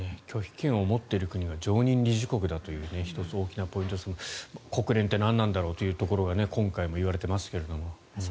拒否権を持っている国が常任理事国というのが１つ大きなポイントですが国連って何なんだろうということが今回も言われていますが。